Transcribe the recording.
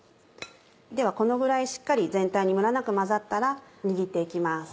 ではこのぐらいしっかり全体にムラなく混ざったら握って行きます。